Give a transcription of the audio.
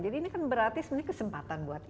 jadi ini kan berarti kesempatan buat kita